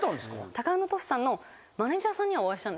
タカアンドトシさんのマネジャーさんにはお会いしたんです。